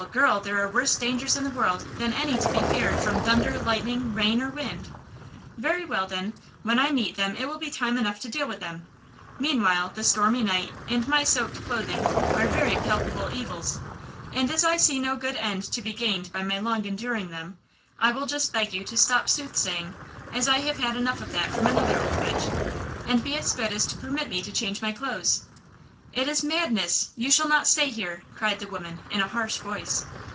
girl! there are worse dangers in the world than any to be feared from thunder, lightning, rain or wind!" "Very well, then, when I meet them it will be time enough to deal with them! Meanwhile the stormy night and my soaked clothing are very palpable evils, and as I see no good end to be gained by my longer enduring them, I will just beg you to stop soothsaying–(as I have had enough of that from another old witch)–and be as good as to permit me to change my clothes!" "It is madness! You shall not stay here!" cried the woman, in a harsh voice.